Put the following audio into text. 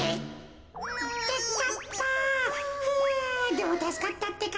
でもたすかったってか。